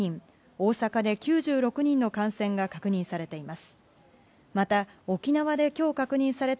大阪で９６人の感染が確認されています。